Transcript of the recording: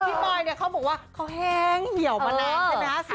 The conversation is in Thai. บอยเนี่ยเขาบอกว่าเขาแห้งเหี่ยวมานานใช่ไหมคะ